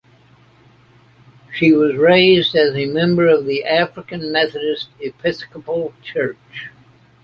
She was raised as a member of the African Methodist Episcopal church.